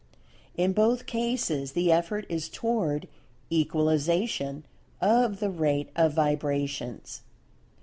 In both cases the effort is toward "equalization" of the rate of vibrations.